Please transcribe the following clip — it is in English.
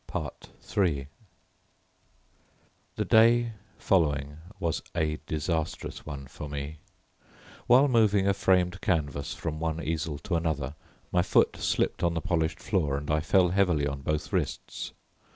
III The day following was a disastrous one for me. While moving a framed canvas from one easel to another my foot slipped on the polished floor, and I fell heavily on both wrists.